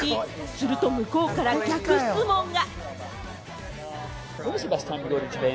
すると向こうから逆質問が。